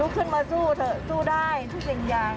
ขึ้นมาสู้เถอะสู้ได้ทุกสิ่งอย่าง